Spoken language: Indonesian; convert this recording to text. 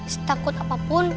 setakut apa pun